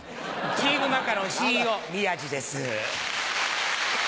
チームマカロンＣＥＯ宮治です。